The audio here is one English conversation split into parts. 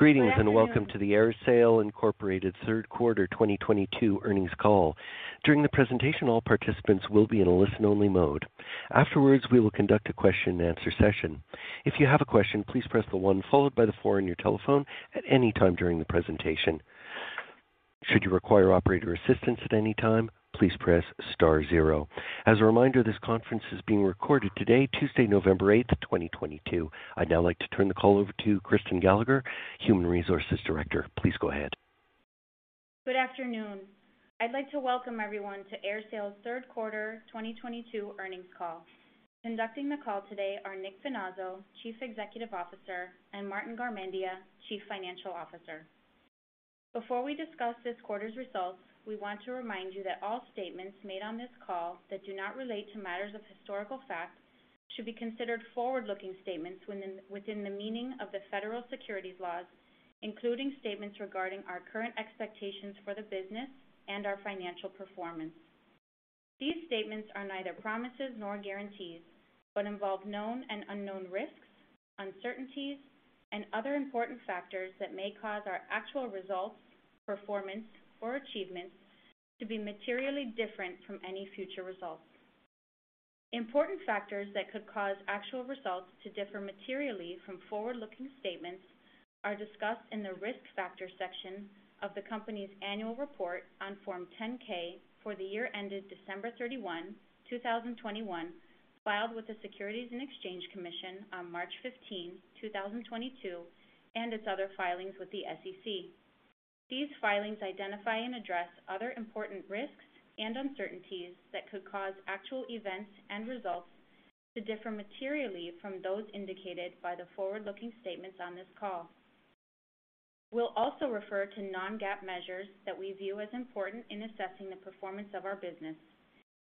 Greetings and welcome to the AerSale Corporation third quarter 2022 earnings call. During the presentation, all participants will be in a listen-only mode. Afterwards, we will conduct a question and answer session. If you have a question, please press the one followed by the four on your telephone at any time during the presentation. Should you require operator assistance at any time, please press star zero. As a reminder, this conference is being recorded today, Tuesday, November 8th, 2022. I'd now like to turn the call over to Kristen Gallagher, Human Resources Director. Please go ahead. Good afternoon. I'd like to welcome everyone to AerSale's third quarter 2022 earnings call. Conducting the call today are Nick Finazzo, Chief Executive Officer, and Martin Garmendia, Chief Financial Officer. Before we discuss this quarter's results, we want to remind you that all statements made on this call that do not relate to matters of historical fact should be considered forward-looking statements within the meaning of the federal securities laws, including statements regarding our current expectations for the business and our financial performance. These statements are neither promises nor guarantees, but involve known and unknown risks, uncertainties, and other important factors that may cause our actual results, performance, or achievements to be materially different from any future results. Important factors that could cause actual results to differ materially from forward-looking statements are discussed in the Risk Factors section of the company's annual report on Form 10-K for the year ended December 31, 2021, filed with the Securities and Exchange Commission on March 15, 2022, and its other filings with the SEC. These filings identify and address other important risks and uncertainties that could cause actual events and results to differ materially from those indicated by the forward-looking statements on this call. We'll also refer to non-GAAP measures that we view as important in assessing the performance of our business.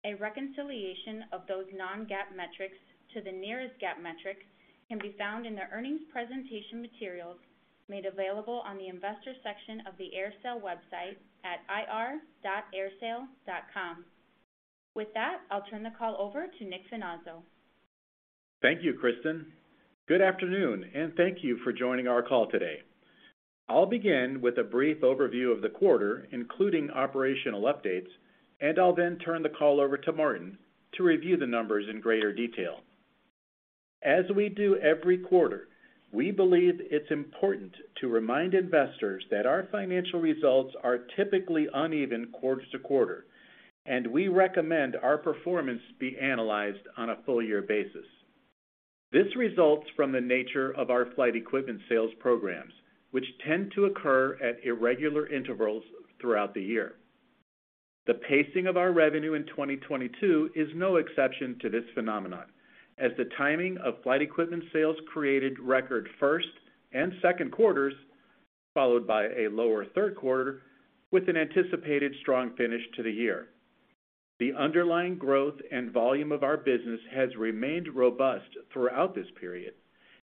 A reconciliation of those non-GAAP metrics to the nearest GAAP metric can be found in the earnings presentation materials made available on the Investors section of the AerSale website at ir.aersale.com. With that, I'll turn the call over to Nick Finazzo. Thank you, Kristen. Good afternoon, and thank you for joining our call today. I'll begin with a brief overview of the quarter, including operational updates, and I'll then turn the call over to Martin to review the numbers in greater detail. As we do every quarter, we believe it's important to remind investors that our financial results are typically uneven quarter-to-quarter, and we recommend our performance be analyzed on a full year basis. This results from the nature of our flight equipment sales programs, which tend to occur at irregular intervals throughout the year. The pacing of our revenue in 2022 is no exception to this phenomenon, as the timing of flight equipment sales created record first and second quarters, followed by a lower third quarter, with an anticipated strong finish to the year. The underlying growth and volume of our business has remained robust throughout this period,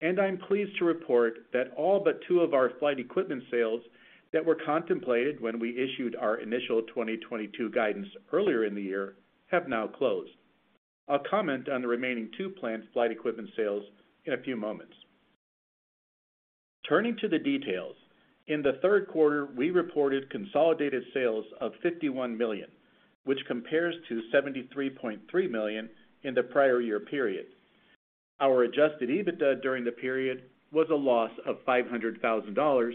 and I'm pleased to report that all but two of our flight equipment sales that were contemplated when we issued our initial 2022 guidance earlier in the year have now closed. I'll comment on the remaining two planned flight equipment sales in a few moments. Turning to the details, in the third quarter, we reported consolidated sales of $51 million, which compares to $73.3 million in the prior year period. Our Adjusted EBITDA during the period was a loss of $500,000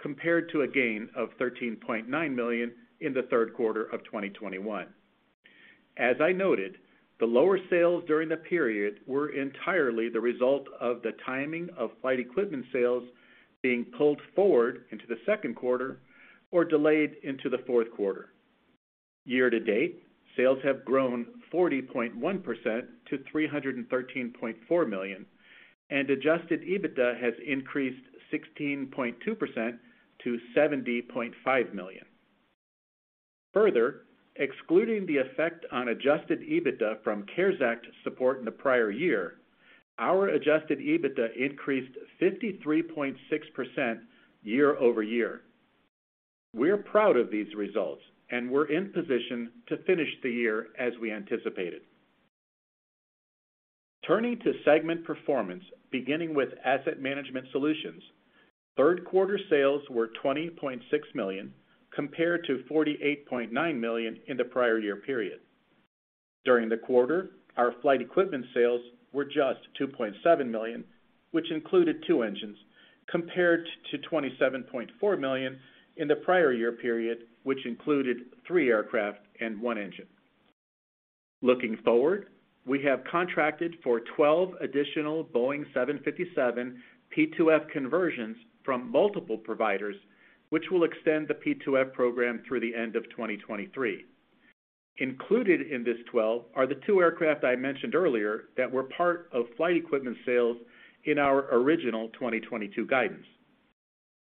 compared to a gain of $13.9 million in the third quarter of 2021. As I noted, the lower sales during the period were entirely the result of the timing of flight equipment sales being pulled forward into the second quarter or delayed into the fourth quarter. Year-to-date, sales have grown 40.1% to $313.4 million, and Adjusted EBITDA has increased 16.2% to $70.5 million. Further, excluding the effect on Adjusted EBITDA from CARES Act support in the prior year, our Adjusted EBITDA increased 53.6% year-over-year. We're proud of these results, and we're in position to finish the year as we anticipated. Turning to segment performance, beginning with Asset Management Solutions, third quarter sales were $20.6 million compared to $48.9 million in the prior year period. During the quarter, our flight equipment sales were just $2.7 million, which included two engines, compared to $27.4 million in the prior year period, which included three aircraft and one engine. Looking forward, we have contracted for 12 additional Boeing 757 P2F conversions from multiple providers, which will extend the P2F program through the end of 2023. Included in this 12 are the two aircraft I mentioned earlier that were part of flight equipment sales in our original 2022 guidance.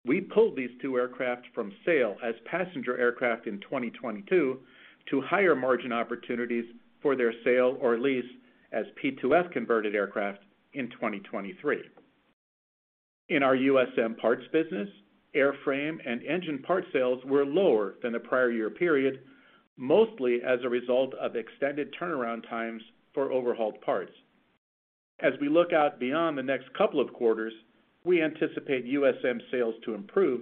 We pulled these two aircraft from sale as passenger aircraft in 2022 to higher margin opportunities for their sale or lease as P2F converted aircraft in 2023. In our USM Parts business, airframe and engine part sales were lower than the prior year period, mostly as a result of extended turnaround times for overhauled parts. As we look out beyond the next couple of quarters, we anticipate USM sales to improve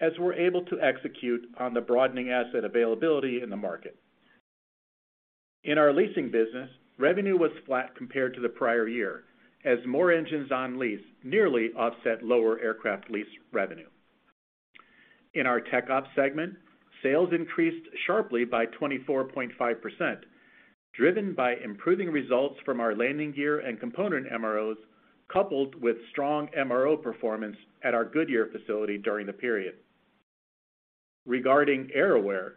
as we're able to execute on the broadening asset availability in the market. In our leasing business, revenue was flat compared to the prior year as more engines on lease nearly offset lower aircraft lease revenue. In our Tech Ops segment, sales increased sharply by 24.5%, driven by improving results from our landing gear and component MROs, coupled with strong MRO performance at our Goodyear facility during the period. Regarding AerAware,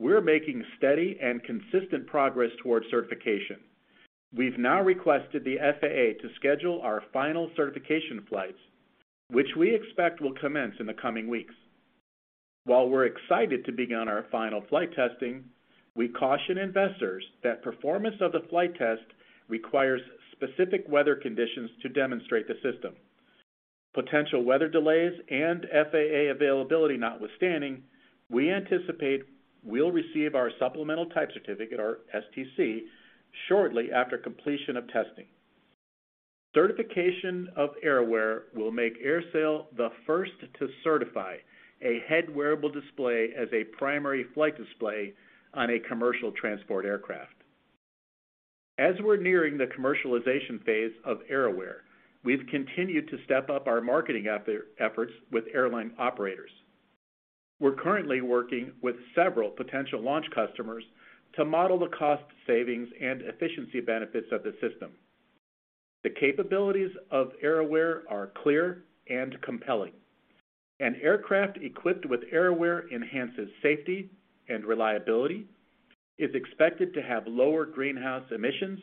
we're making steady and consistent progress towards certification. We've now requested the FAA to schedule our final certification flights, which we expect will commence in the coming weeks. While we're excited to begin our final flight testing, we caution investors that performance of the flight test requires specific weather conditions to demonstrate the system. Potential weather delays and FAA availability notwithstanding, we anticipate we'll receive our Supplemental Type Certificate, or STC, shortly after completion of testing. Certification of AerAware will make AerSale the first to certify a head-wearable display as a primary flight display on a commercial transport aircraft. As we're nearing the commercialization phase of AerAware, we've continued to step up our marketing efforts with airline operators. We're currently working with several potential launch customers to model the cost savings and efficiency benefits of the system. The capabilities of AerAware are clear and compelling. An aircraft equipped with AerAware enhances safety and reliability, is expected to have lower greenhouse emissions,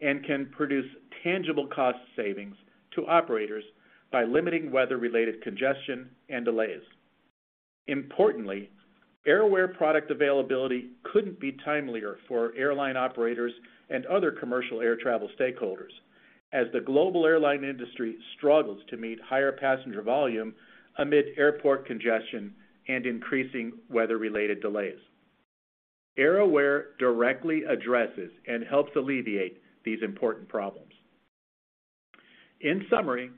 and can produce tangible cost savings to operators by limiting weather-related congestion and delays. Importantly, AerAware product availability couldn't be timelier for airline operators and other commercial air travel stakeholders as the global airline industry struggles to meet higher passenger volume amid airport congestion and increasing weather-related delays. AerAware directly addresses and helps alleviate these important problems. In summary,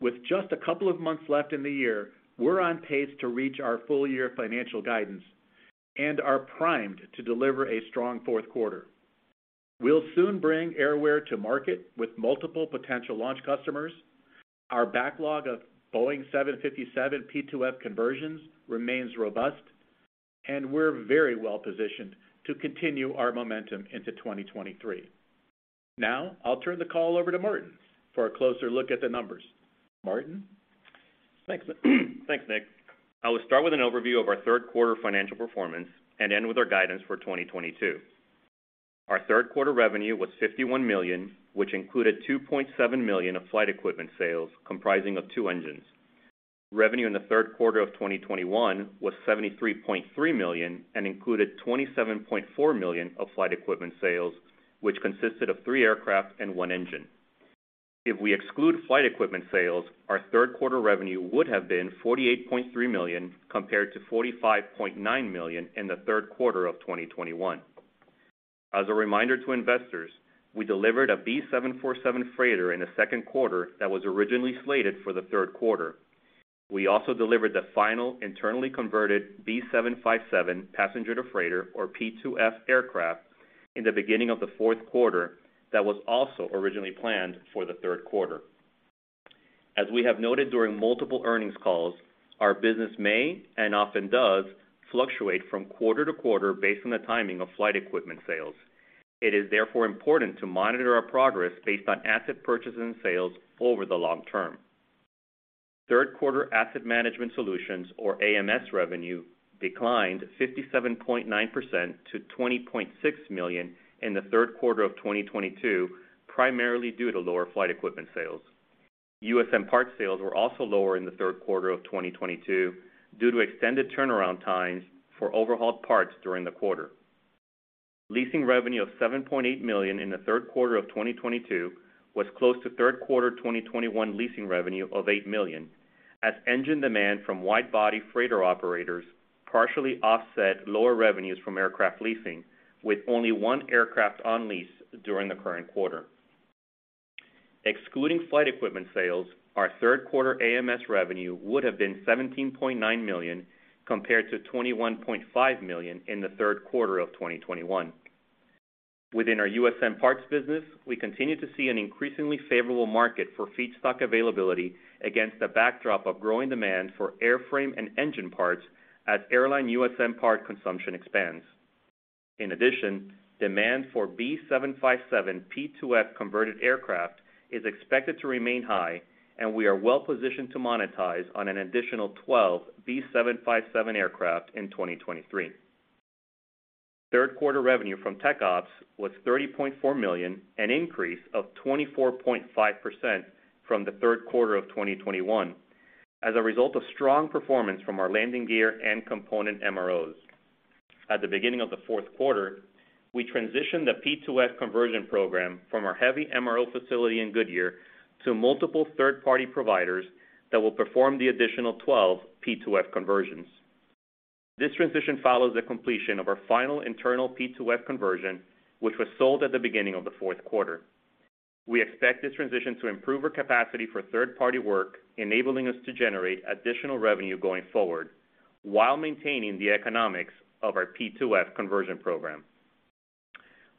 with just a couple of months left in the year, we're on pace to reach our full year financial guidance and are primed to deliver a strong fourth quarter. We'll soon bring AerAware to market with multiple potential launch customers. Our backlog of Boeing 757 P2F conversions remains robust, and we're very well-positioned to continue our momentum into 2023. Now, I'll turn the call over to Martin for a closer look at the numbers. Martin? Thanks. Thanks, Nick. I will start with an overview of our third quarter financial performance and end with our guidance for 2022. Our third quarter revenue was $51 million, which included $2.7 million of flight equipment sales comprising of two engines. Revenue in the third quarter of 2021 was $73.3 million and included $27.4 million of flight equipment sales, which consisted of three aircraft and one engine. If we exclude flight equipment sales, our third quarter revenue would have been $48.3 million compared to $45.9 million in the third quarter of 2021. As a reminder to investors, we delivered a B747 freighter in the second quarter that was originally slated for the third quarter. We also delivered the final internally converted B757 passenger to freighter or P2F aircraft in the beginning of the fourth quarter that was also originally planned for the third quarter. As we have noted during multiple earnings calls, our business may, and often does, fluctuate from quarter-to-quarter based on the timing of flight equipment sales. It is therefore important to monitor our progress based on asset purchases and sales over the long term. Third quarter Asset Management Solutions or AMS revenue declined 57.9% to $20.6 million in the third quarter of 2022, primarily due to lower flight equipment sales. USM parts sales were also lower in the third quarter of 2022 due to extended turnaround times for overhauled parts during the quarter. Leasing revenue of $7.8 million in the third quarter of 2022 was close to third quarter 2021 leasing revenue of $8 million as engine demand from wide-body freighter operators partially offset lower revenues from aircraft leasing with only one aircraft on lease during the current quarter. Excluding flight equipment sales, our third quarter AMS revenue would have been $17.9 million compared to $21.5 million in the third quarter of 2021. Within our USM Parts business, we continue to see an increasingly favorable market for feedstock availability against a backdrop of growing demand for airframe and engine parts as airline USM part consumption expands. In addition, demand for B757 P2F converted aircraft is expected to remain high, and we are well positioned to monetize on an additional 12 B757 aircraft in 2023. Third quarter revenue from TechOps was $30.4 million, an increase of 24.5% from the third quarter of 2021 as a result of strong performance from our landing gear and component MROs. At the beginning of the fourth quarter, we transitioned the P2F conversion program from our heavy MRO facility in Goodyear to multiple third-party providers that will perform the additional 12 P2F conversions. This transition follows the completion of our final internal P2F conversion, which was sold at the beginning of the fourth quarter. We expect this transition to improve our capacity for third-party work, enabling us to generate additional revenue going forward while maintaining the economics of our P2F conversion program.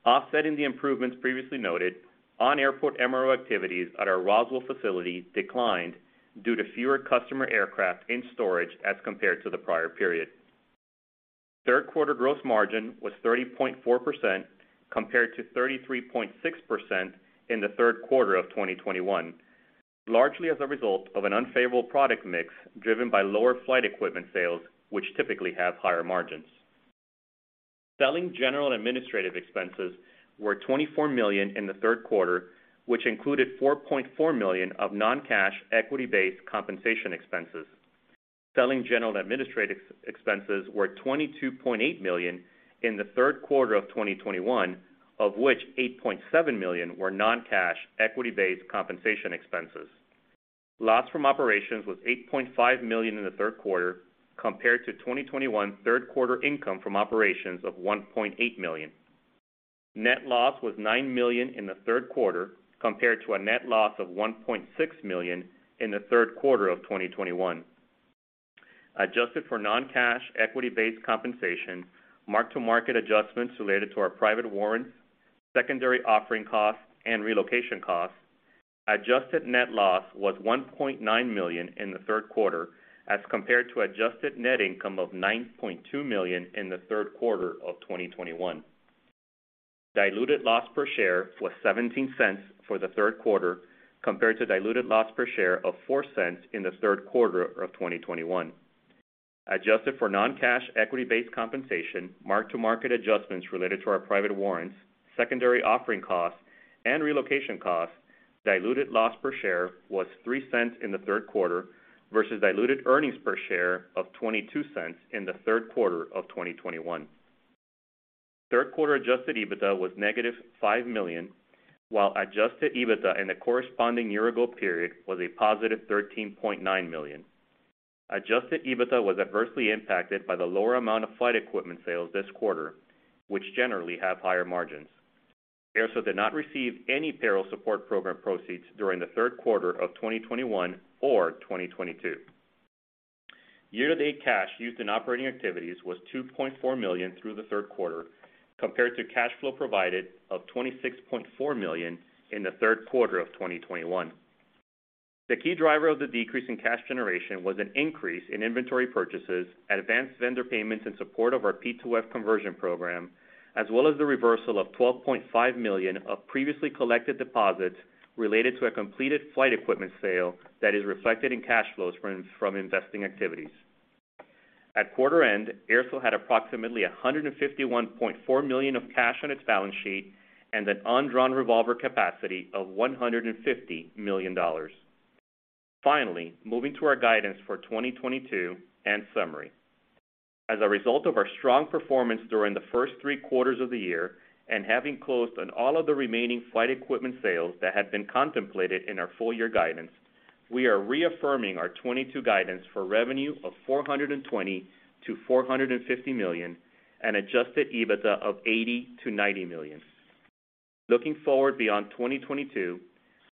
Offsetting the improvements previously noted, on-airport MRO activities at our Roswell facility declined due to fewer customer aircraft in storage as compared to the prior period. Third quarter gross margin was 30.4% compared to 33.6% in the third quarter of 2021, largely as a result of an unfavorable product mix driven by lower flight equipment sales, which typically have higher margins. Selling, general, and administrative expenses were $24 million in the third quarter, which included $4.4 million of non-cash equity-based compensation expenses. Selling, general, and administrative expenses were $22.8 million in the third quarter of 2021, of which $8.7 million were non-cash equity-based compensation expenses. Loss from operations was $8.5 million in the third quarter compared to 2021 third quarter income from operations of $1.8 million. Net loss was $9 million in the third quarter compared to a net loss of $1.6 million in the third quarter of 2021. Adjusted for non-cash equity-based compensation, mark-to-market adjustments related to our private warrants, secondary offering costs, and relocation costs, adjusted net loss was $1.9 million in the third quarter as compared to adjusted net income of $9.2 million in the third quarter of 2021. Diluted loss per share was $0.17 for the third quarter compared to diluted loss per share of $0.04 in the third quarter of 2021. Adjusted for non-cash equity-based compensation, mark-to-market adjustments related to our private warrants, secondary offering costs, and relocation costs, diluted loss per share was $0.03 in the third quarter versus diluted earnings per share of $0.22 in the third quarter of 2021. Third quarter Adjusted EBITDA was -$5 million, while Adjusted EBITDA in the corresponding year-ago period was $13.9 million. Adjusted EBITDA was adversely impacted by the lower amount of flight equipment sales this quarter, which generally have higher margins. AerSale did not receive any Payroll Support Program proceeds during the third quarter of 2021 or 2022. Year-to-date cash used in operating activities was $2.4 million through the third quarter compared to cash flow provided of $26.4 million in the third quarter of 2021. The key driver of the decrease in cash generation was an increase in inventory purchases, advanced vendor payments in support of our P2F conversion program, as well as the reversal of $12.5 million of previously collected deposits related to a completed flight equipment sale that is reflected in cash flows from investing activities. At quarter end, AerSale had approximately $151.4 million of cash on its balance sheet and an undrawn revolver capacity of $150 million. Finally, moving to our guidance for 2022 and summary. As a result of our strong performance during the first three quarters of the year and having closed on all of the remaining flight equipment sales that had been contemplated in our full year guidance, we are reaffirming our 2022 guidance for revenue of $420 million-$450 million and adjusted EBITDA of $80 million-$90 million. Looking forward beyond 2022,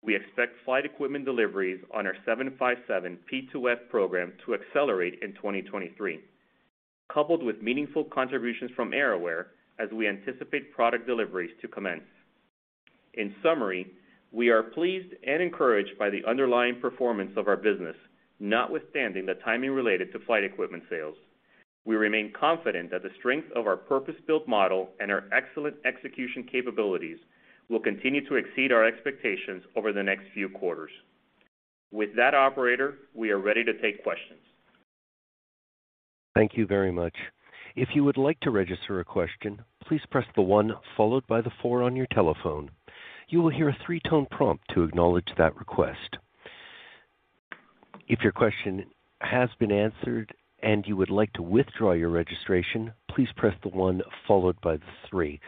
we expect flight equipment deliveries on our 757 P2F program to accelerate in 2023, coupled with meaningful contributions from AerAware as we anticipate product deliveries to commence. In summary, we are pleased and encouraged by the underlying performance of our business, notwithstanding the timing related to flight equipment sales. We remain confident that the strength of our purpose-built model and our excellent execution capabilities will continue to exceed our expectations over the next few quarters. With that, operator, we are ready to take questions. Thank you very much. If you would like to register a question, please press the one followed by the four on your telephone. You will hear a three-tone prompt to acknowledge that request. If your question has been answered and you would like to withdraw your registration, please press the one followed by the three.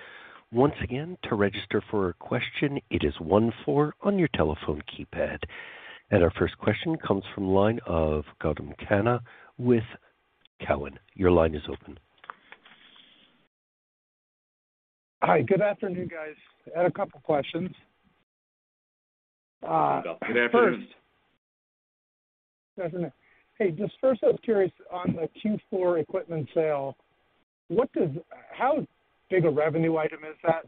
Once again, to register for a question, it is one four on your telephone keypad. Our first question comes from the line of Gautam Khanna with Cowen. Your line is open. Hi, good afternoon, guys. I had a couple questions. First- Good afternoon. Afternoon. Hey, just first I was curious on the Q4 equipment sale, how big a revenue item is that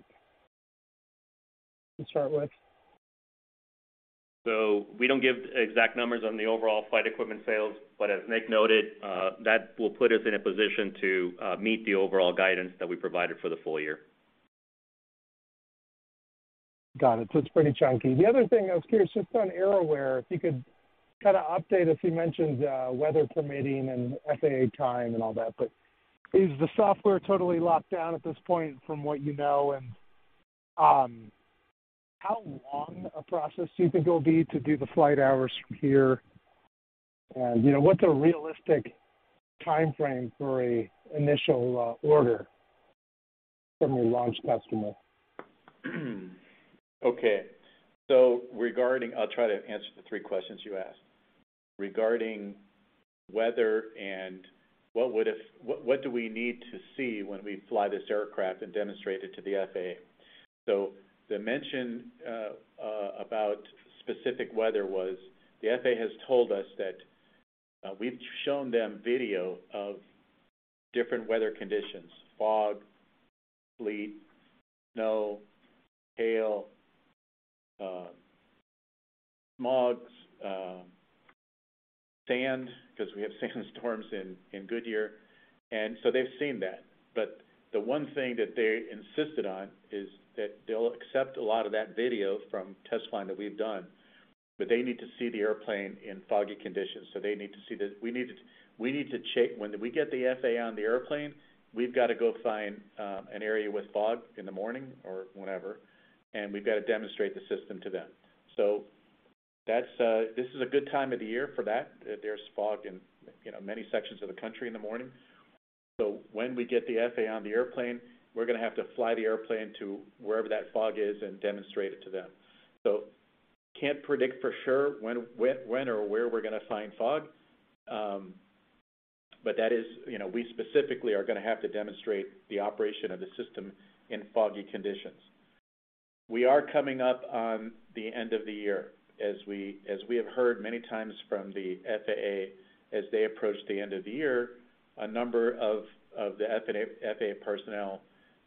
to start with? We don't give exact numbers on the overall flight equipment sales, but as Nick noted, that will put us in a position to meet the overall guidance that we provided for the full year. Got it. It's pretty chunky. The other thing I was curious just on AerAware, if you could kind of update as you mentioned, weather permitting and FAA time and all that, but is the software totally locked down at this point from what you know? How long a process do you think it will be to do the flight hours from here? You know, what's a realistic timeframe for an initial order from your launch customer? Okay. Regarding-- I'll try to answer the three questions you asked. Regarding weather and what do we need to see when we fly this aircraft and demonstrate it to the FAA. The mention about specific weather was that the FAA has told us that we've shown them video of different weather conditions, fog, sleet, snow, hail, smog, sand, because we have sandstorms in Goodyear, and they've seen that. But the one thing that they insisted on is that they'll accept a lot of that video from test flying that we've done, but they need to see the airplane in foggy conditions. They need to see the. We need to cha. When we get the FAA on the airplane, we've got to go find an area with fog in the morning or whenever, and we've got to demonstrate the system to them. This is a good time of the year for that. There's fog in, you know, many sections of the country in the morning. When we get the FAA on the airplane, we're gonna have to fly the airplane to wherever that fog is and demonstrate it to them. Can't predict for sure when or where we're gonna find fog, but that is. You know, we specifically are gonna have to demonstrate the operation of the system in foggy conditions. We are coming up on the end of the year. As we have heard many times from the FAA, as they approach the end of the year, a number of the FAA personnel,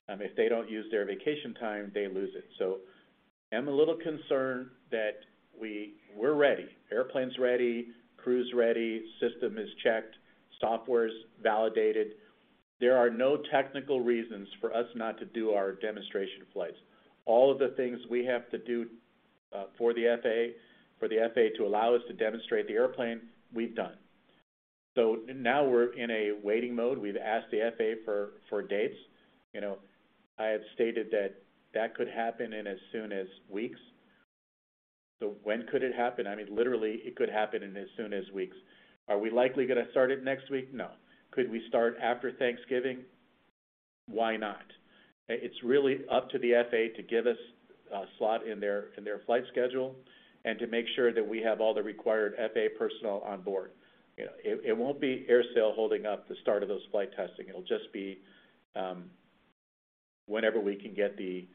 if they don't use their vacation time, they lose it. I'm a little concerned. We're ready. Airplane's ready. Crew's ready. System is checked. Software is validated. There are no technical reasons for us not to do our demonstration flights. All of the things we have to do for the FAA to allow us to demonstrate the airplane, we've done. Now we're in a waiting mode. We've asked the FAA for dates. You know, I have stated that that could happen in as soon as weeks. When could it happen? I mean, literally, it could happen in as soon as weeks. Are we likely gonna start it next week? No. Could we start after Thanksgiving? Why not? It's really up to the FAA to give us a slot in their flight schedule and to make sure that we have all the required FAA personnel on board. You know, it won't be AerSale holding up the start of those flight testing. It'll just be whenever we can get the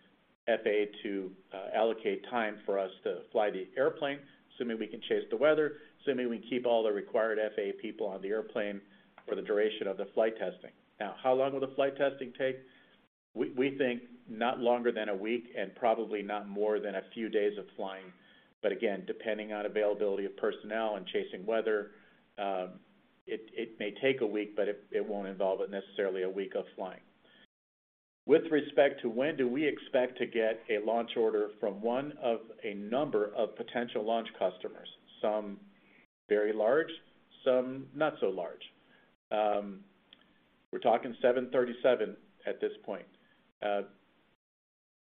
FAA to allocate time for us to fly the airplane, assuming we can chase the weather, assuming we keep all the required FAA people on the airplane for the duration of the flight testing. Now, how long will the flight testing take? We think not longer than a week and probably not more than a few days of flying. Again, depending on availability of personnel and chasing weather, it may take a week, but it won't involve necessarily a week of flying. With respect to when do we expect to get a launch order from one of a number of potential launch customers, some very large, some not so large. We're talking 737 at this point.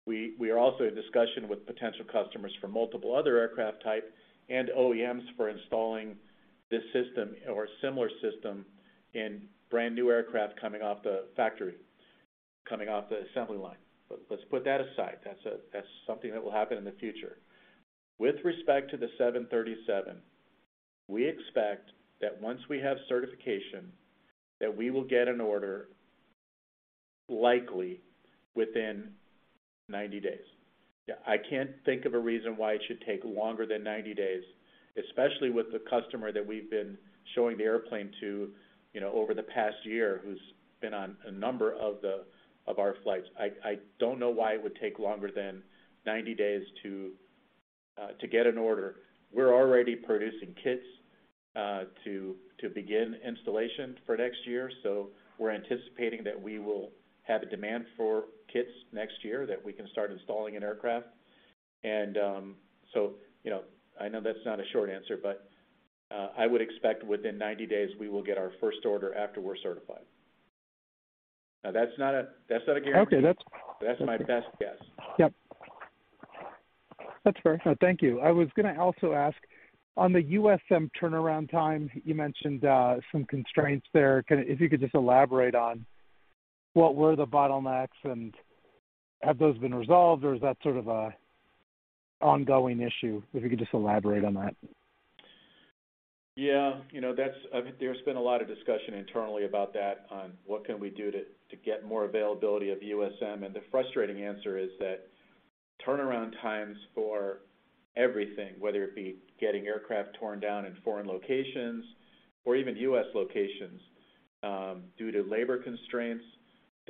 We are also in discussion with potential customers for multiple other aircraft type and OEMs for installing this system or a similar system in brand-new aircraft coming off the factory, coming off the assembly line. Let's put that aside. That's something that will happen in the future. With respect to the 737, we expect that once we have certification, that we will get an order likely within 90 days. Yeah, I can't think of a reason why it should take longer than 90 days, especially with the customer that we've been showing the airplane to, you know, over the past year who's been on a number of our flights. I don't know why it would take longer than 90 days to get an order. We're already producing kits to begin installation for next year, so we're anticipating that we will have a demand for kits next year that we can start installing in aircraft. So, you know, I know that's not a short answer, but I would expect within 90 days we will get our first order after we're certified. Now, that's not a guarantee. Okay, that's- That's my best guess. Yep. That's fair. No, thank you. I was gonna also ask, on the USM turnaround time, you mentioned some constraints there. If you could just elaborate on what were the bottlenecks and have those been resolved or is that sort of an ongoing issue? If you could just elaborate on that. Yeah. You know, that's. I think there's been a lot of discussion internally about that on what we can do to get more availability of USM, and the frustrating answer is that turnaround times for everything, whether it be getting aircraft torn down in foreign locations or even U.S. locations, due to labor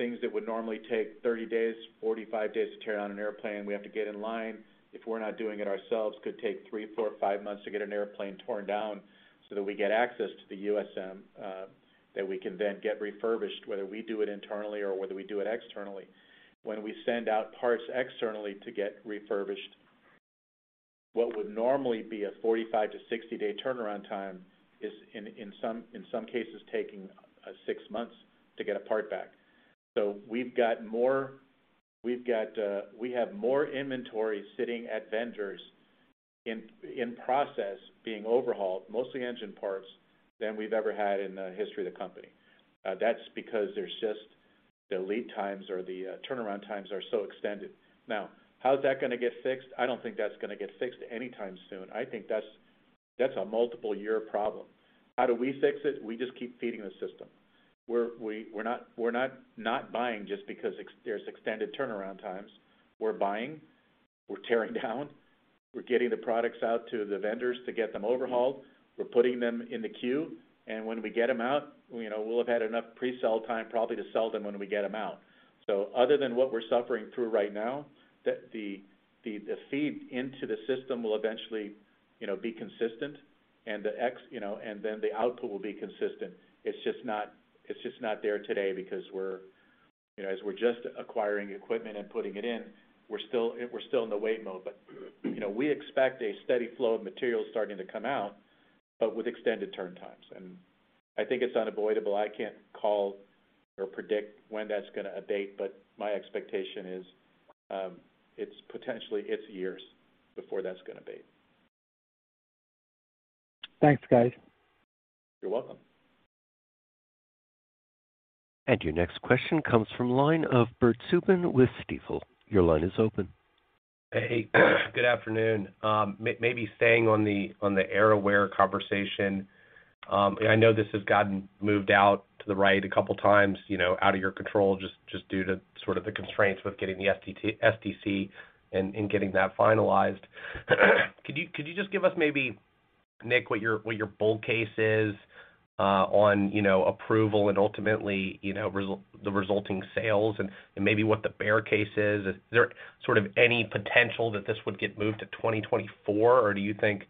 constraints, things that would normally take 30 days, 45 days to tear down an airplane, we have to get in line. If we're not doing it ourselves, could take three, four, five months to get an airplane torn down so that we get access to the USM that we can then get refurbished, whether we do it internally or whether we do it externally. When we send out parts externally to get refurbished, what would normally be a 45-60 day turnaround time is in some cases taking six months to get a part back. We have more inventory sitting at vendors in process being overhauled, mostly engine parts, than we've ever had in the history of the company. That's because there's just the lead times or the turnaround times are so extended. Now, how's that gonna get fixed? I don't think that's gonna get fixed anytime soon. I think that's a multiple year problem. How do we fix it? We just keep feeding the system. We're not buying just because there's extended turnaround times. We're buying, we're tearing down, we're getting the products out to the vendors to get them overhauled, we're putting them in the queue, and when we get them out, you know, we'll have had enough pre-sale time probably to sell them when we get them out. Other than what we're suffering through right now, the feed into the system will eventually, you know, be consistent and then the output will be consistent. It's just not there today because you know, as we're just acquiring equipment and putting it in, we're still in the wait mode. You know, we expect a steady flow of materials starting to come out, but with extended turn times. I think it's unavoidable. I can't call or predict when that's gonna abate, but my expectation is, it's potentially years before that's gonna abate. Thanks, guys. You're welcome. Your next question comes from the line of Bert Subin with Stifel. Your line is open. Hey. Good afternoon. Maybe staying on the AerAware conversation, and I know this has gotten moved out to the right a couple times, you know, out of your control, just due to sort of the constraints with getting the STC and getting that finalized. Could you just give us maybe, Nick, what your bull case is on approval and ultimately the resulting sales and maybe what the bear case is? Is there sort of any potential that this would get moved to 2024, or do you think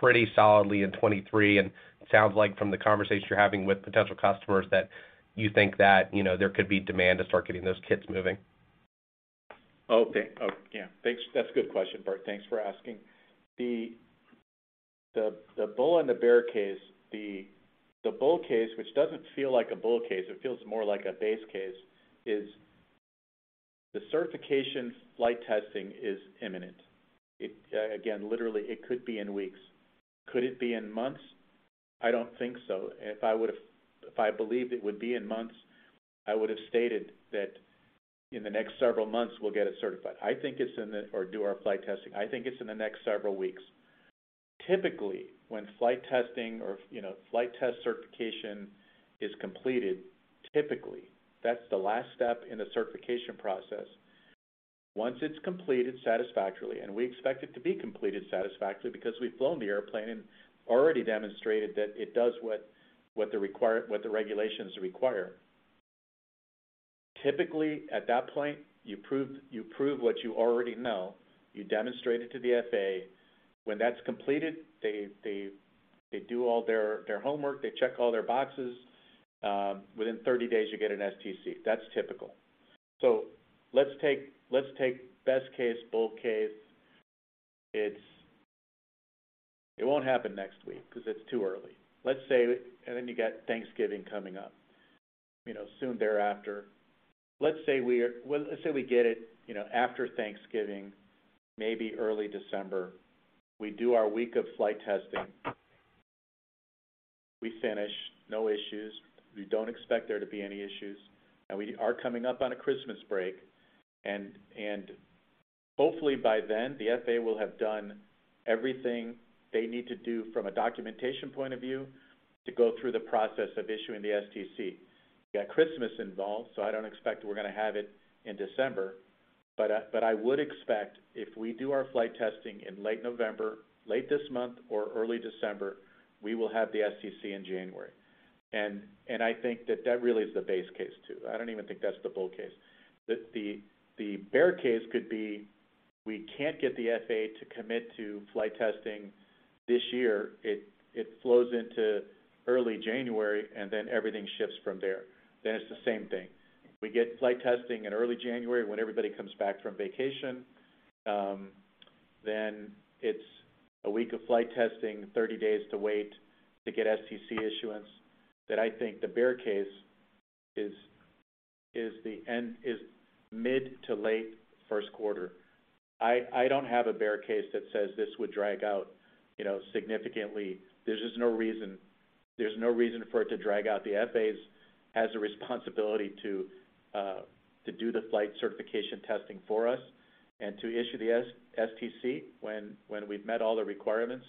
pretty solidly in 2023, and it sounds like from the conversation you are having with potential customers that you think that there could be demand to start getting those kits moving? Okay. Oh, yeah. Thanks. That's a good question, Bert. Thanks for asking. The bull and the bear case, the bull case, which doesn't feel like a bull case, it feels more like a base case, is the certification flight testing is imminent. It, again, literally it could be in weeks. Could it be in months? I don't think so. If I believed it would be in months, I would've stated that in the next several months we'll get it certified. I think it's in the next several weeks. Typically, when flight testing or flight test certification is completed, typically, that's the last step in the certification process. Once it's completed satisfactorily, and we expect it to be completed satisfactorily because we've flown the airplane and already demonstrated that it does what the regulations require. Typically, at that point, you prove what you already know. You demonstrate it to the FAA. When that's completed, they do all their homework, they check all their boxes. Within 30 days you get an STC. That's typical. Let's take best case, bull case. It won't happen next week 'cause it's too early. Let's say, and then you got Thanksgiving coming up, you know, soon thereafter. Well, let's say we get it, you know, after Thanksgiving, maybe early December. We do our week of flight testing. We finish, no issues. We don't expect there to be any issues. Now we are coming up on a Christmas break, and hopefully by then, the FAA will have done everything they need to do from a documentation point of view to go through the process of issuing the STC. We've got Christmas involved, so I don't expect we're gonna have it in December, but I would expect if we do our flight testing in late November, late this month or early December, we will have the STC in January. I think that really is the base case, too. I don't even think that's the bull case. The bear case could be we can't get the FAA to commit to flight testing this year. It flows into early January, and then everything shifts from there. It's the same thing. We get flight testing in early January when everybody comes back from vacation. It's a week of flight testing, 30 days to wait to get STC issuance, that I think the bear case is mid to late first quarter. I don't have a bear case that says this would drag out, you know, significantly. There's just no reason. There's just no reason for it to drag out. The FAA has a responsibility to do the flight certification testing for us and to issue the STC when we've met all the requirements.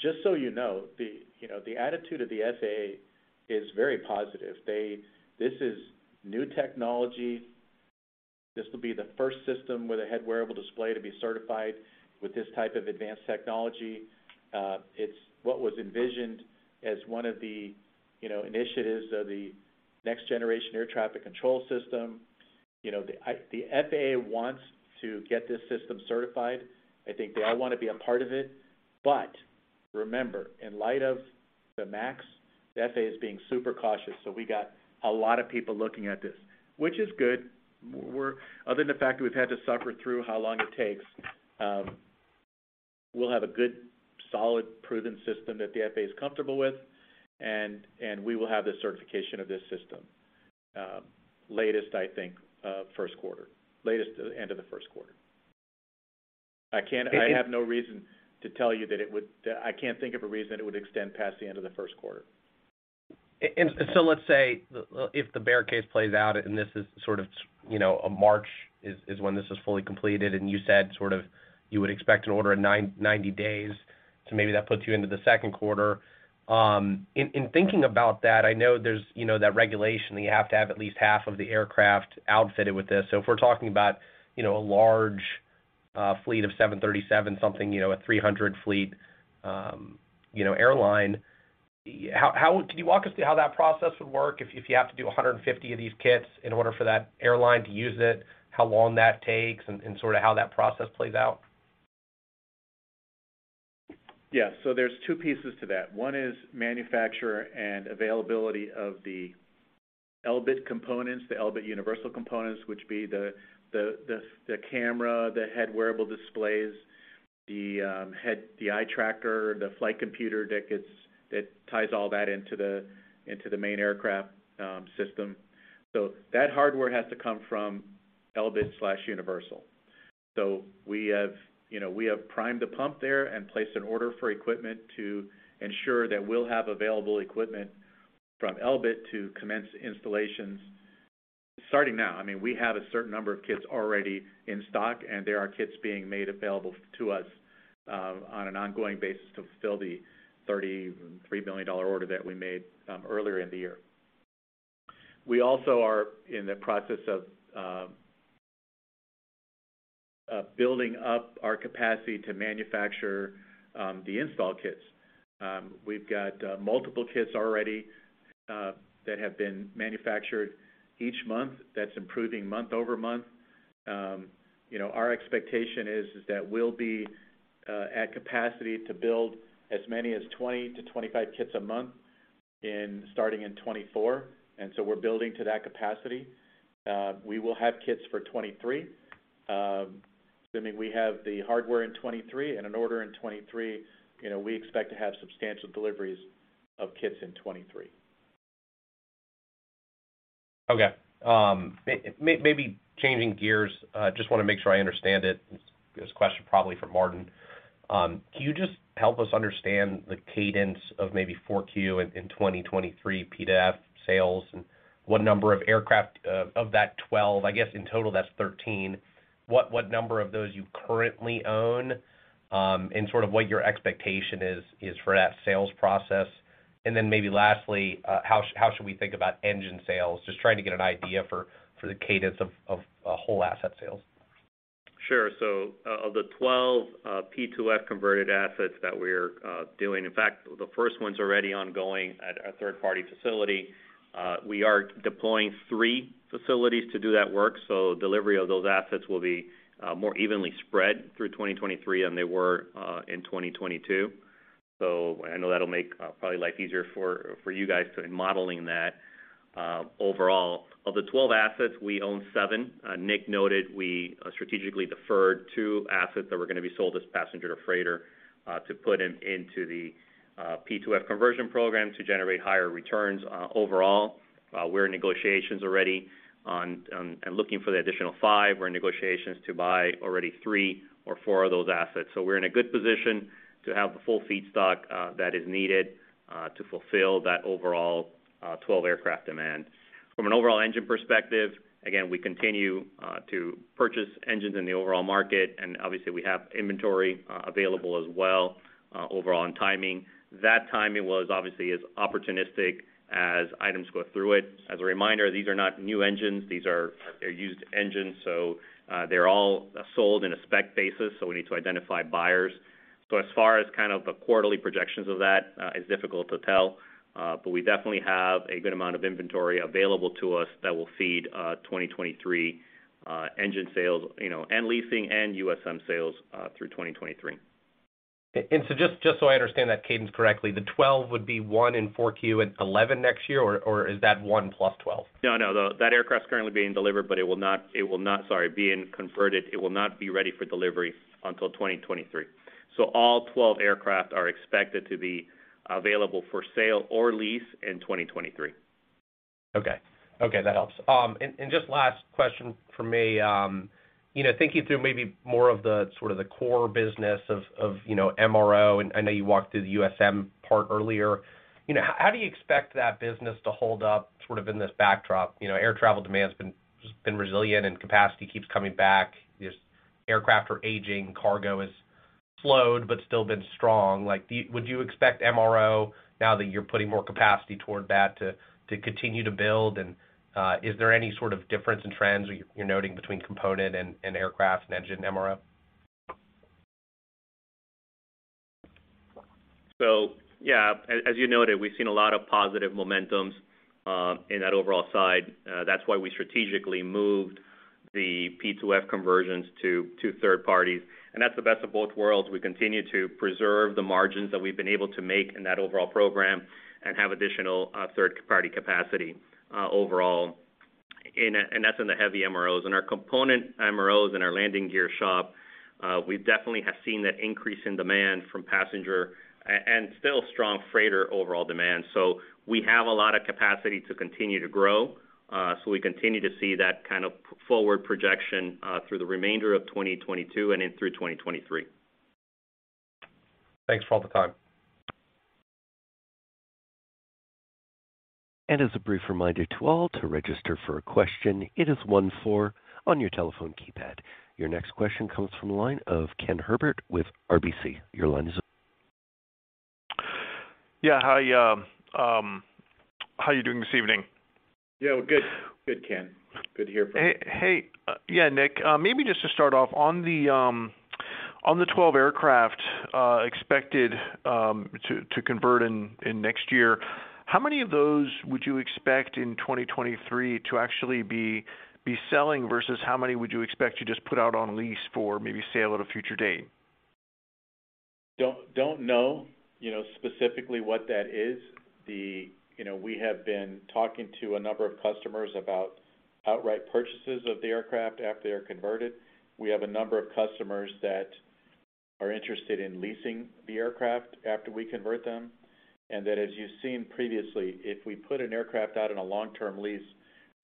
Just so you know, you know, the attitude of the FAA is very positive. They. This is new technology. This will be the first system with a head-wearable display to be certified with this type of advanced technology. It's what was envisioned as one of the, you know, initiatives of the Next Generation Air Transportation System. You know, the FAA wants to get this system certified. I think they all wanna be a part of it. Remember, in light of the MAX, the FAA is being super cautious, so we got a lot of people looking at this, which is good. Other than the fact that we've had to suffer through how long it takes, we'll have a good, solid, proven system that the FAA is comfortable with, and we will have the certification of this system. Latest, I think, first quarter. Latest to the end of the first quarter. I have no reason to tell you that it would, I can't think of a reason it would extend past the end of the first quarter. Let's say if the bear case plays out, and this is sort of, you know, a March is when this is fully completed, and you said sort of you would expect an order in 90 days. So maybe that puts you into the second quarter. In thinking about that, I know there's, you know, that regulation that you have to have at least half of the aircraft outfitted with this. So if we're talking about, you know, a large fleet of 737 something, you know, a 300 fleet, you know, airline, how can you walk us through how that process would work if you have to do 150 of these kits in order for that airline to use it, how long that takes and sort of how that process plays out? Yeah. There's two pieces to that. One is manufacturing and availability of the Elbit components, the Elbit Universal components, which would be the camera, the head wearable displays, the eye tracker, the flight computer that ties all that into the main aircraft system. That hardware has to come from Elbit/Universal. We have, you know, primed the pump there and placed an order for equipment to ensure that we'll have available equipment from Elbit to commence installations starting now. I mean, we have a certain number of kits already in stock, and there are kits being made available to us on an ongoing basis to fulfill the $33 million order that we made earlier in the year. We also are in the process of building up our capacity to manufacture the install kits. We've got multiple kits already that have been manufactured each month. That's improving month-over-month. You know, our expectation is that we'll be at capacity to build as many as 20-25 kits a month starting in 2024, and so we're building to that capacity. We will have kits for 2023. Assuming we have the hardware in 2023 and an order in 2023, you know, we expect to have substantial deliveries of kits in 2023. Okay. Maybe changing gears, just wanna make sure I understand it. This question probably for Martin. Can you just help us understand the cadence of maybe 4Q in 2023 P2F sales and what number of aircraft of that 12, I guess in total that's 13, what number of those you currently own, and sort of what your expectation is for that sales process? Then maybe lastly, how should we think about engine sales? Just trying to get an idea for the cadence of whole asset sales. Sure. Of the 12 P2F converted assets that we're doing, in fact, the first one's already ongoing at a third-party facility. We are deploying 3 facilities to do that work, so delivery of those assets will be more evenly spread through 2023 than they were in 2022. I know that'll make probably life easier for you guys in modeling that overall. Of the 12 assets, we own seven. Nick noted we strategically deferred two assets that were gonna be sold as passenger to freighter to put into the P2F conversion program to generate higher returns overall. We're in negotiations already and looking for the additional five. We're in negotiations to buy already three or four of those assets. We're in a good position to have the full feedstock that is needed to fulfill that overall 12 aircraft demand. From an overall engine perspective, again, we continue to purchase engines in the overall market, and obviously we have inventory available as well, overall on timing. That timing was obviously as opportunistic as items go through it. As a reminder, these are not new engines. These are used engines, so they're all sold in a spec basis, so we need to identify buyers. As far as kind of the quarterly projections of that is difficult to tell, but we definitely have a good amount of inventory available to us that will feed 2023 engine sales, you know, and leasing and USM sales through 2023. Just so I understand that cadence correctly, the 12 would be one in 4Q and 11 next year or is that one plus 12? No, no. That aircraft's currently being converted. It will not be ready for delivery until 2023. All 12 aircraft are expected to be available for sale or lease in 2023. Okay. Okay, that helps. And just last question from me. You know, thinking through maybe more of the sort of core business of, you know, MRO, and I know you walked through the USM part earlier. You know, how do you expect that business to hold up sort of in this backdrop? You know, air travel demand's just been resilient and capacity keeps coming back. Aircraft are aging, cargo has slowed, but still been strong. Like, would you expect MRO, now that you're putting more capacity toward that, to continue to build? And is there any sort of difference in trends you're noting between component and aircraft and engine MRO? Yeah, as you noted, we've seen a lot of positive momentums in that overall side. That's why we strategically moved the P2F conversions to two third parties. That's the best of both worlds. We continue to preserve the margins that we've been able to make in that overall program and have additional third-party capacity overall. That's in the heavy MROs. In our component MROs in our landing gear shop, we definitely have seen that increase in demand from passenger and still strong freighter overall demand. We have a lot of capacity to continue to grow. We continue to see that kind of forward projection through the remainder of 2022 and into 2023. Thanks for all the time. As a brief reminder to all, to register for a question, it is 14 on your telephone keypad. Your next question comes from the line of Ken Herbert with RBC. Your line is- Yeah. How are you doing this evening? Yeah, we're good. Good, Ken. Good to hear from you. Hey, yeah, Nick, maybe just to start off on the 12 aircraft expected to convert in next year, how many of those would you expect in 2023 to actually be selling versus how many would you expect to just put out on lease for maybe sale at a future date? Don't know, you know, specifically what that is. You know, we have been talking to a number of customers about outright purchases of the aircraft after they're converted. We have a number of customers that are interested in leasing the aircraft after we convert them. That as you've seen previously, if we put an aircraft out on a long-term lease,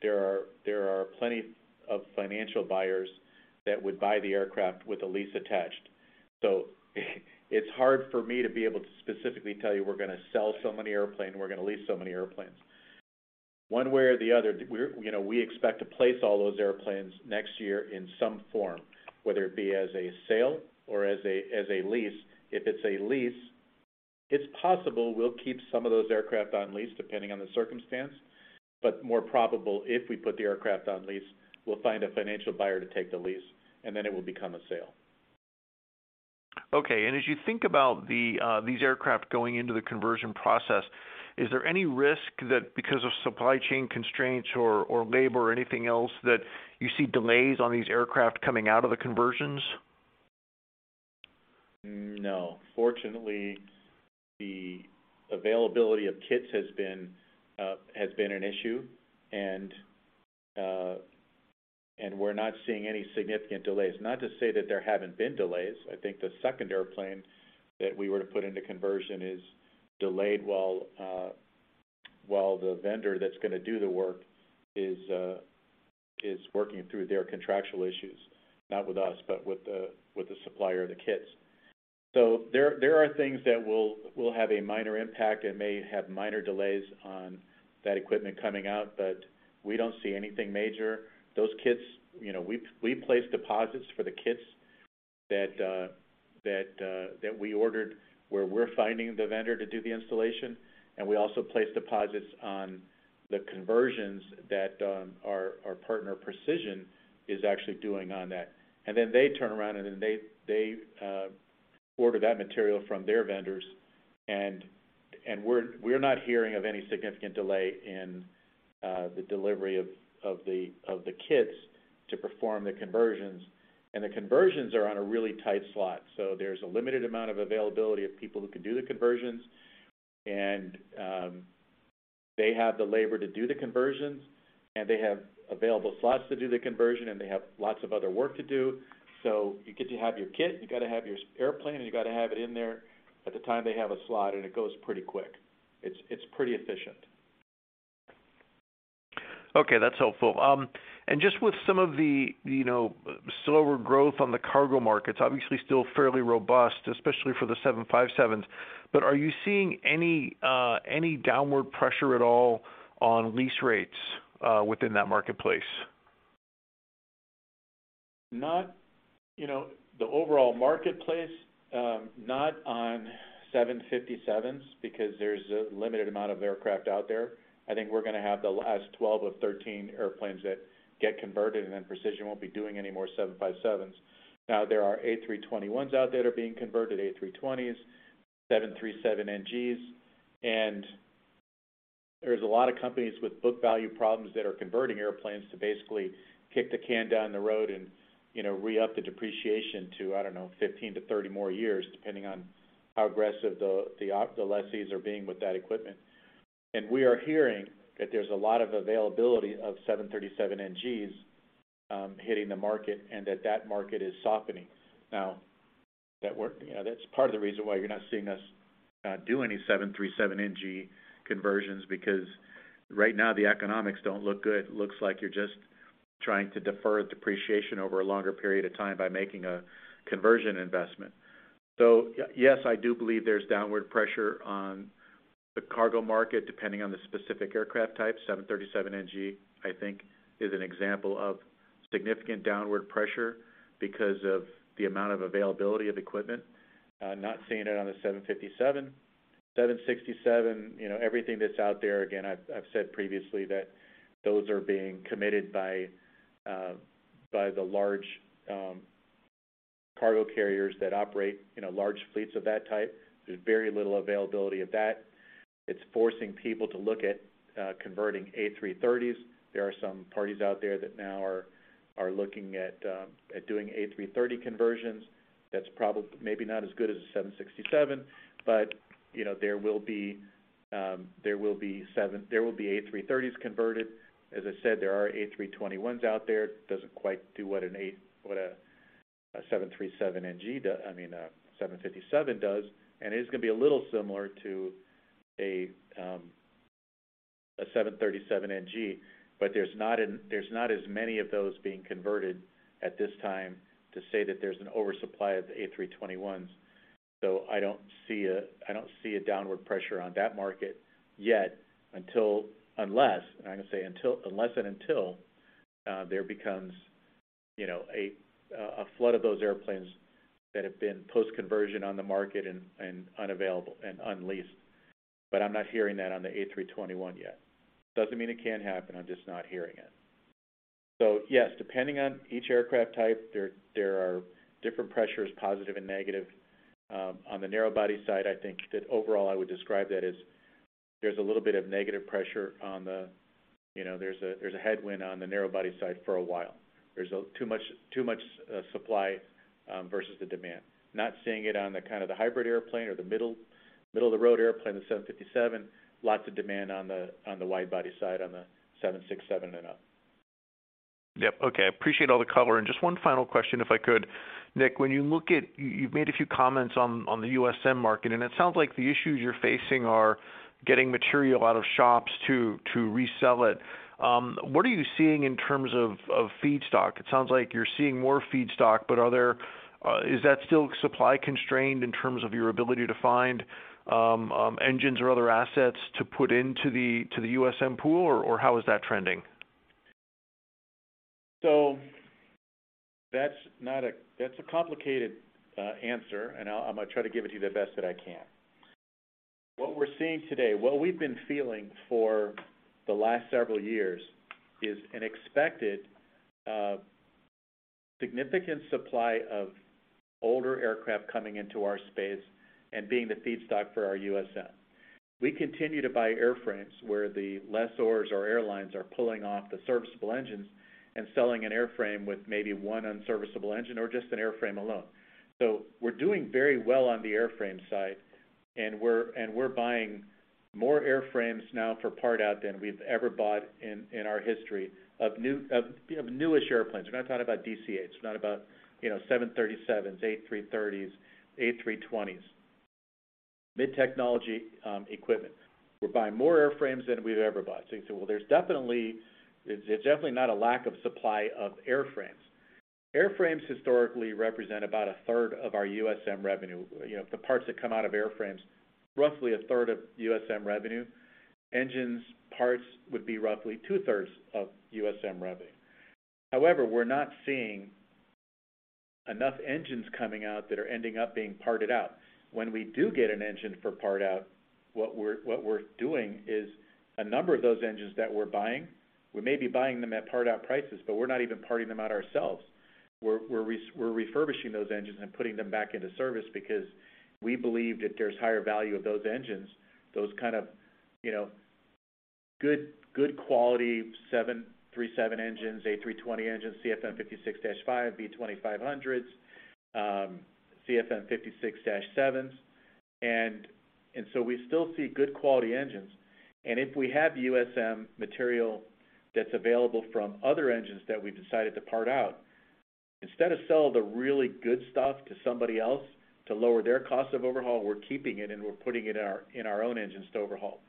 there are plenty of financial buyers that would buy the aircraft with a lease attached. It's hard for me to be able to specifically tell you we're gonna sell so many airplane, we're gonna lease so many airplanes. One way or the other, we're, you know, we expect to place all those airplanes next year in some form, whether it be as a sale or as a lease. If it's a lease, it's possible we'll keep some of those aircraft on lease, depending on the circumstance, but more probable, if we put the aircraft on lease, we'll find a financial buyer to take the lease, and then it will become a sale. Okay. As you think about the these aircraft going into the conversion process, is there any risk that because of supply chain constraints or labor or anything else that you see delays on these aircraft coming out of the conversions? No. Fortunately, the availability of kits has been an issue, and we're not seeing any significant delays. Not to say that there haven't been delays. I think the second airplane that we were to put into conversion is delayed while the vendor that's gonna do the work is working through their contractual issues, not with us, but with the supplier of the kits. There are things that will have a minor impact and may have minor delays on that equipment coming out, but we don't see anything major. Those kits, you know, we place deposits for the kits that we ordered, where we're finding the vendor to do the installation, and we also place deposits on the conversions that our partner, Precision, is actually doing on that. Then they turn around and they order that material from their vendors. We're not hearing of any significant delay in the delivery of the kits to perform the conversions. The conversions are on a really tight slot. There's a limited amount of availability of people who can do the conversions. They have the labor to do the conversions, and they have available slots to do the conversion, and they have lots of other work to do. You get to have your kit, you gotta have your airplane, and you gotta have it in there at the time they have a slot, and it goes pretty quick. It's pretty efficient. Okay, that's helpful. Just with some of the, you know, slower growth on the cargo markets, obviously still fairly robust, especially for the 757s. Are you seeing any downward pressure at all on lease rates within that marketplace? You know, the overall marketplace, not on 757s because there's a limited amount of aircraft out there. I think we're gonna have the last 12 of 13 airplanes that get converted, and then Precision won't be doing any more 757s. Now, there are A321s out there that are being converted, A320s, 737 NGs. There's a lot of companies with book value problems that are converting airplanes to basically kick the can down the road and, you know, re-up the depreciation to, I don't know, 15-30 more years, depending on how aggressive the lessees are being with that equipment. We are hearing that there's a lot of availability of 737 NGs hitting the market, and that market is softening. You know, that's part of the reason why you're not seeing us do any 737 NG conversions, because right now the economics don't look good. It looks like you're just trying to defer depreciation over a longer period of time by making a conversion investment. Yes, I do believe there's downward pressure on the cargo market, depending on the specific aircraft type. 737 NG, I think is an example of significant downward pressure because of the amount of availability of equipment. Not seeing it on the 757. 767, you know, everything that's out there, again, I've said previously that those are being committed by the large cargo carriers that operate large fleets of that type. There's very little availability of that. It's forcing people to look at converting A330s. There are some parties out there that now are looking at doing A330 conversions. That's probably maybe not as good as a 767, but you know, there will be A330s converted. As I said, there are A321s out there. Doesn't quite do what a 737 NG does, I mean, a 757 does, and it is gonna be a little similar to a 737 NG. But there's not as many of those being converted at this time to say that there's an oversupply of the A321s. I don't see a downward pressure on that market yet until. Unless and until there becomes, you know, a flood of those airplanes that have been post conversion on the market and unavailable and unleased. I'm not hearing that on the A321 yet. Doesn't mean it can't happen. I'm just not hearing it. Yes, depending on each aircraft type, there are different pressures, positive and negative. On the narrow body side, I think that overall I would describe that as there's a little bit of negative pressure. You know, there's a headwind on the narrow body side for a while. There's too much supply versus the demand. Not seeing it on the kind of the hybrid airplane or the middle-of-the-road airplane, the 757. Lots of demand on the wide-body side, on the 767 and up. Yep. Okay. Appreciate all the color. Just one final question, if I could. Nick, you've made a few comments on the USM market, and it sounds like the issues you're facing are getting material out of shops to resell it. What are you seeing in terms of feedstock? It sounds like you're seeing more feedstock, but is that still supply constrained in terms of your ability to find engines or other assets to put into the USM pool, or how is that trending? That's a complicated answer, and I'm gonna try to give it to you the best that I can. What we're seeing today, what we've been feeling for the last several years is an expected significant supply of older aircraft coming into our space and being the feedstock for our USM. We continue to buy airframes where the lessors or airlines are pulling off the serviceable engines and selling an airframe with maybe one unserviceable engine or just an airframe alone. We're doing very well on the airframe side, and we're buying more airframes now for part out than we've ever bought in our history of newish airplanes. We're not talking about DC-8, we're talking about, you know, 737s, A330s, A320s. Mid-technology equipment. We're buying more airframes than we've ever bought. There's definitely, it's definitely not a lack of supply of airframes. Airframes historically represent about a third of our USM revenue. You know, the parts that come out of airframes, roughly a third of USM revenue. Engines, parts would be roughly 2/3 of USM revenue. However, we're not seeing enough engines coming out that are ending up being parted out. When we do get an engine for part out, what we're doing is a number of those engines that we're buying, we may be buying them at part-out prices, but we're not even parting them out ourselves. We're refurbishing those engines and putting them back into service because we believe that there's higher value of those engines, those kind of, you know, good quality 737 engines, A320 engines, CFM56-5B 2,500, CFM56-7s. We still see good quality engines. If we have USM material that's available from other engines that we've decided to part out, instead of sell the really good stuff to somebody else to lower their cost of overhaul, we're keeping it and we're putting it in our own engines to overhaul.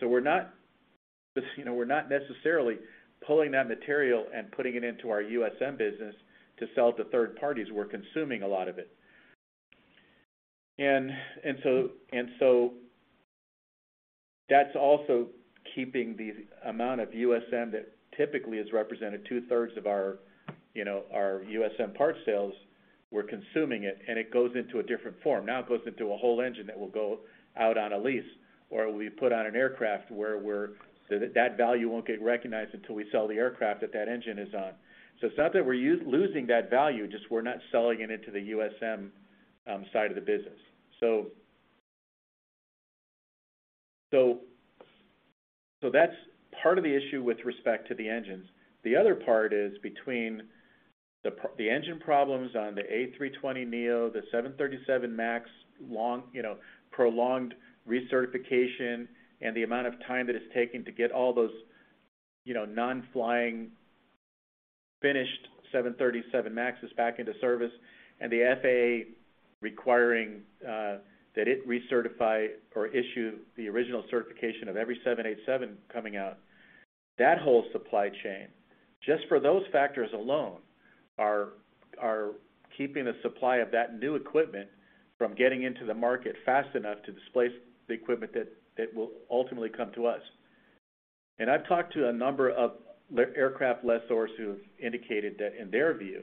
We're not, you know, we're not necessarily pulling that material and putting it into our USM business to sell to third parties. We're consuming a lot of it. That's also keeping the amount of USM that typically has represented 2/3 of our, you know, our USM parts sales. We're consuming it, and it goes into a different form. Now it goes into a whole engine that will go out on a lease or will be put on an aircraft so that value won't get recognized until we sell the aircraft that that engine is on. It's not that we're losing that value, just we're not selling it into the USM side of the business. That's part of the issue with respect to the engines. The other part is between the engine problems on the A320neo, the 737 MAX long, you know, prolonged recertification and the amount of time that it's taking to get all those, you know, non-flying finished 737 MAXes back into service. The FAA requiring that it recertify or issue the original certification of every 787 coming out. That whole supply chain, just for those factors alone, are keeping the supply of that new equipment from getting into the market fast enough to displace the equipment that will ultimately come to us. I've talked to a number of aircraft lessors who've indicated that in their view,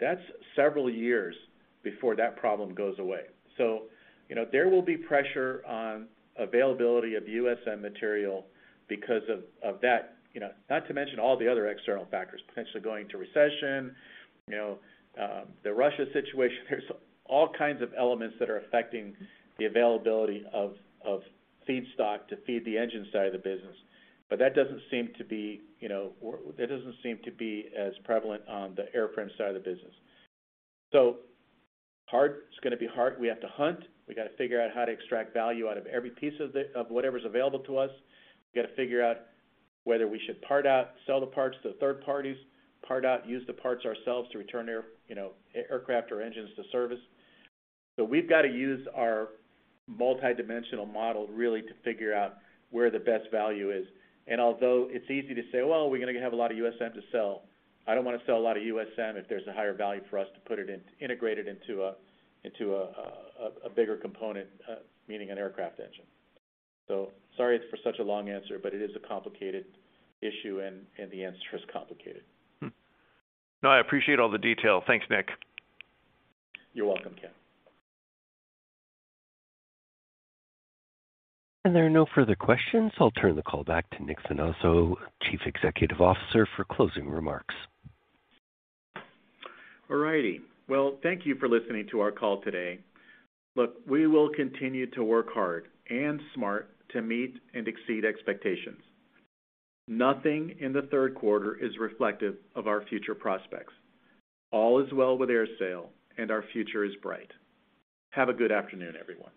that's several years before that problem goes away. You know, there will be pressure on availability of USM material because of that, not to mention all the other external factors potentially going into recession, the Russia situation. There's all kinds of elements that are affecting the availability of feedstock to feed the engine side of the business. But that doesn't seem to be as prevalent on the airframe side of the business. Hard. It's gonna be hard. We have to hunt. We got to figure out how to extract value out of every piece of whatever's available to us. We got to figure out whether we should part out, sell the parts to third parties, part out, use the parts ourselves to return aircraft or engines to service. We've got to use our multidimensional model really to figure out where the best value is. Although it's easy to say, "Well, we're gonna have a lot of USM to sell," I don't want to sell a lot of USM if there's a higher value for us to put it in, integrate it into a bigger component, meaning an aircraft engine. Sorry it's for such a long answer, but it is a complicated issue, and the answer is complicated. No, I appreciate all the detail. Thanks, Nick. You're welcome, Ken. There are no further questions. I'll turn the call back to Nick Finazzo, Chief Executive Officer, for closing remarks. All righty. Well, thank you for listening to our call today. Look, we will continue to work hard and smart to meet and exceed expectations. Nothing in the third quarter is reflective of our future prospects. All is well with AerSale, and our future is bright. Have a good afternoon, everyone.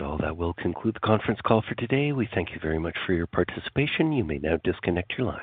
All that will conclude the conference call for today. We thank you very much for your participation. You may now disconnect your lines.